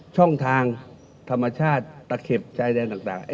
ช่องทางธรรมชาติตะเข็บชายแดนต่าง